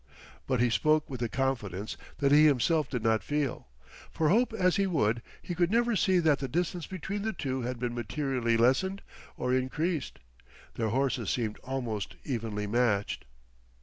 But he spoke with a confidence that he himself did not feel, for hope as he would he could never see that the distance between the two had been materially lessened or increased. Their horses seemed most evenly matched.